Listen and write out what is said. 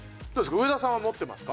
上田さんは持ってますか？